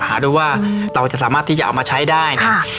หาดูว่าเราจะสามารถที่จะเอามาใช้ได้เนี่ย